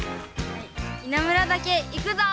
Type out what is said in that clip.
稲村岳行くぞ！